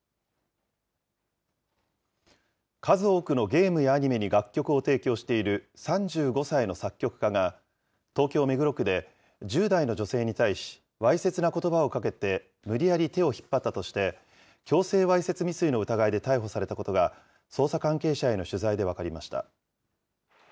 数多くのゲームやアニメに楽曲を提供している３５歳の作曲家が、東京・目黒区で１０代の女性に対し、わいせつなことばをかけて、無理やり手を引っ張ったとして、強制わいせつ未遂の疑いで逮捕されたことが、捜査関係者への取材で分かりました。